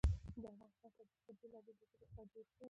د افغانستان طبیعت له بېلابېلو ژبو څخه جوړ شوی دی.